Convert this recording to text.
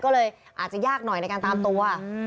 ก็เลยอาจจะยากหน่อยในการตามตัว